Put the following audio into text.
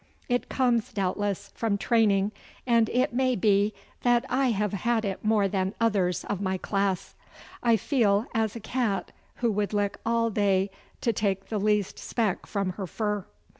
It comes, doubtless, from training, and it may be that I have it more than others of my class. I feel as a cat who would lick all day to take the least speck from her fur.